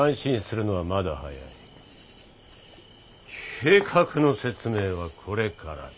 計画の説明はこれからだ。